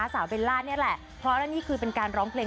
เบลล่านี่แหละเพราะและนี่คือเป็นการร้องเพลง